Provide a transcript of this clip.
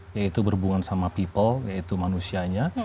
yaitu berhubungan sama people yaitu manusianya